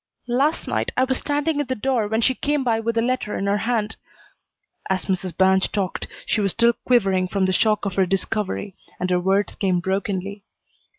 "Last night I was standing in the door when she came by with a letter in her hand." As Mrs. Banch talked, she was still quivering from the shock of her discovery, and her words came brokenly.